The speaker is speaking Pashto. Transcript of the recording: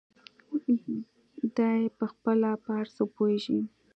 دى پخپله په هر څه پوهېږي.